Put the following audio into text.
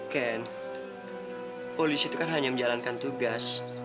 ken polisi itu kan hanya menjalankan tugas